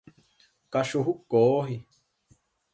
O cachorro corre.